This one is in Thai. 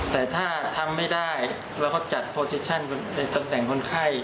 แต่ถ้าทำไม่ได้เราก็จัดโปรซิชั่นในตำแหน่งคนไข้